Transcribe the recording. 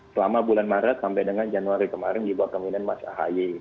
selama bulan maret sampai dengan januari kemarin di bawah kemungkinan mas ahaye